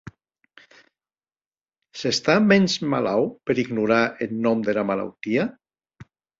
S’està mens malaut per ignorar eth nòm dera malautia?